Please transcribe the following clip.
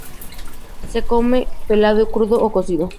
Se come pelado y crudo o cocido.